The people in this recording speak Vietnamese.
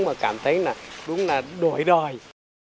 mà cảm thấy là đúng là đổi đời